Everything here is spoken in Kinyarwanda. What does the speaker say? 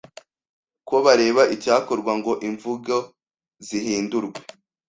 ko bareba icyakorwa ngo imvugo zihindurwe